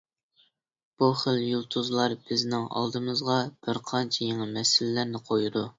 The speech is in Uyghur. بۇ خىل يۇلتۇزلار بىزنىڭ ئالدىمىزغا بىرقانچە يېڭى مەسىلىلەرنى قويىدۇ.